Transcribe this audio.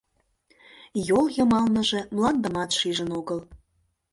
Йол йымалныже мландымат шижын огыл.